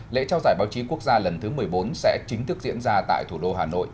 lễ trao giải báo chí quốc gia lần thứ một mươi bốn sẽ chính thức diễn ra tại thủ đô hà nội